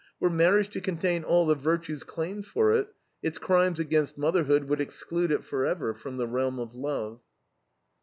Were marriage to contain all the virtues claimed for it, its crimes against motherhood would exclude it forever from the realm of love.